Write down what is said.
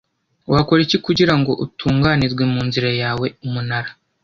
Wakora iki kugira ngo utunganirwe mu nzira yawe Umunara